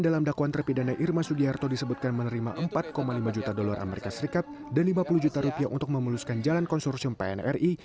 lakuan terpidana irma sudiarto disebutkan menerima empat lima juta dolar as dan lima puluh juta rupiah untuk memeluskan jalan konsursium pnri